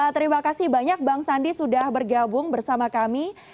terima kasih banyak bang sandi sudah bergabung bersama kami